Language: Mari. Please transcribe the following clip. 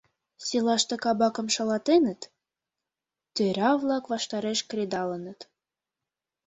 Селаште кабакым шалатеныт, тӧра-влак ваштареш кредалыныт.